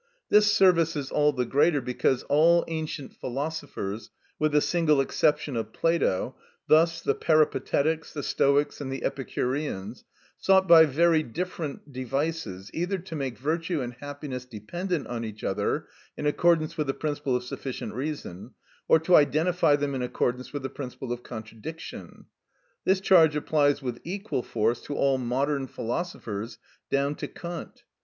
This service is all the greater because all ancient philosophers, with the single exception of Plato, thus the Peripatetics, the Stoics, and the Epicureans, sought by very different devices either to make virtue and happiness dependent on each other in accordance with the principle of sufficient reason, or to identify them in accordance with the principle of contradiction. This charge applies with equal force to all modern philosophers down to Kant.